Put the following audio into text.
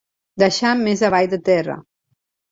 Deixar més avall de terra.